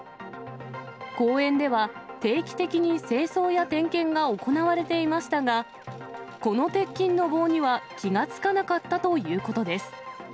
公園では、定期的に清掃や点検が行われていましたが、この鉄筋の棒には気が付かなかったということです。